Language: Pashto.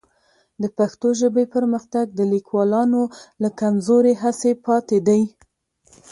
د پښتو ژبې پرمختګ د لیکوالانو له کمزورې هڅې پاتې دی.